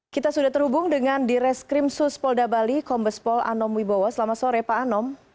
kita sudah terhubung dengan di reskrim suspolda bali kombespol anom wibowo selamat sore pak anom